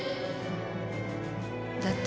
だって